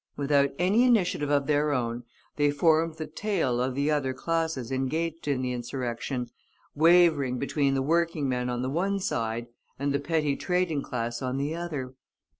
Without any initiative of their own, they formed the tail of the other classes engaged in the insurrection, wavering between the working men on the one side, and the petty trading class on the other.